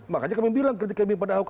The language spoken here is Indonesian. makanya kami bilang kritik kami pada ahok